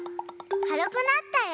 かるくなったよ！